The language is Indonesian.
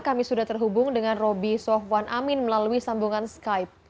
kami sudah terhubung dengan roby sohwan amin melalui sambungan skype